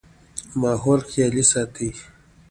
د ماحول خيال ساتئ